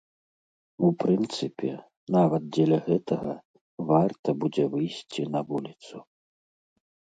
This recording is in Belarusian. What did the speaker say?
У прынцыпе, нават дзеля гэтага варта будзе выйсці на вуліцу.